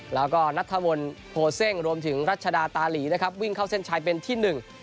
แล้วก็นัทธวนโพเซ่งรวมถึงรัชดาตาหลีนะครับวิ่งเข้าเส้นชัยเป็นที่หนึ่ง